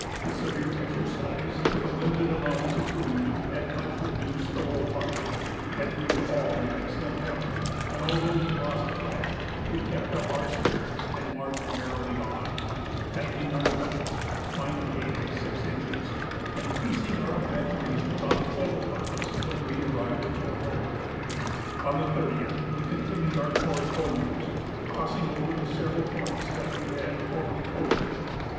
The severe exercise, with a limited allowance of food, had much reduced the whole party, yet we were all in excellent health; and although we lost flesh, we kept up our spirits, and marched merrily on, tightening our belts mine came in six inches and feasting our imaginations on full allowance when we arrived at Fort Hope. On the 30th we continued our course homewards, crossing over the several points that we had formerly coasted.